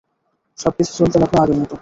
সবকিছু চলতে লাগল আগের মতো।